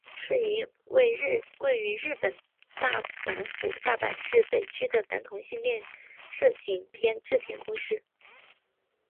是一家位于日本大阪府大阪市北区的男同性恋色情片制片公司。